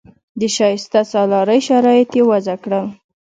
د شایسته سالارۍ شرایط یې وضع کړل.